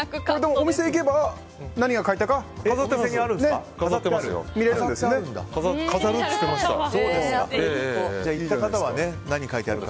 お店に行けば何が書いてあるか。